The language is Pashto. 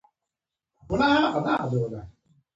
هر جسم د تودوخې بدلون احساسوي.